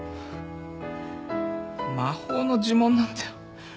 魔法の呪文なんて。